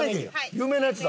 有名なやつだ。